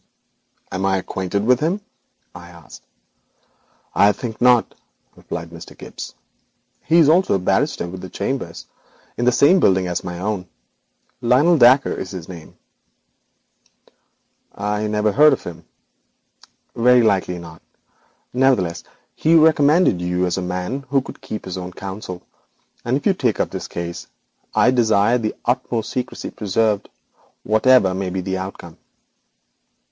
'Am I acquainted with him?' I asked. 'I think not,' replied Mr. Gibbes; 'he also is a barrister with chambers in the same building as my own. Lionel Dacre is his name.' 'I never heard of him.' 'Very likely not. Nevertheless, he recommended you as a man who could keep his own counsel, and if you take up this case I desire the utmost secrecy preserved, whatever may be the outcome.'